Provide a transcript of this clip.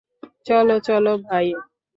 চলো চলো ভাই।